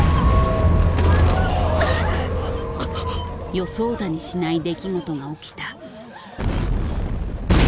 予想だにしない出来事が起きた。